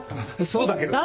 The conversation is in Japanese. そうだけどさ。